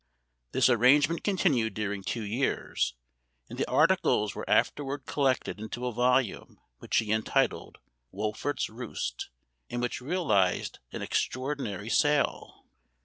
This arrangement con tinued during two years ; and the articles were afterward collected into a volume which he enti tled " Wolfert's Roost," and which realized an extraordinary sale.